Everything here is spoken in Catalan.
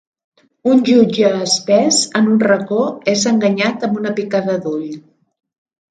Un jutge espès en un racó és enganyat amb una picada d'ull.